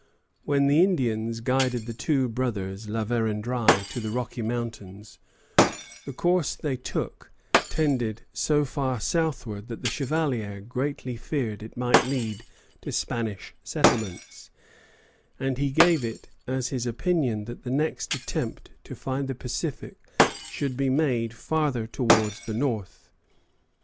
When the Indians guided the two brothers La Vérendrye to the Rocky Mountains, the course they took tended so far southward that the Chevalier greatly feared it might lead to Spanish settlements; and he gave it as his opinion that the next attempt to find the Pacific should be made farther towards the north.